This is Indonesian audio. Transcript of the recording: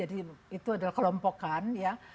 itu adalah kelompokan ya